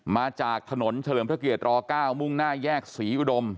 มาจากถนนเฉลิมพระเกียร๙มุ่งหน้าแยกศรีอุดม